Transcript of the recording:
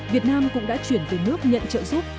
việt nam cũng đã chuyển về nước nhận trợ giúp